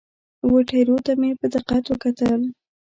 وه ټیرو ته مې په دقت وکتل.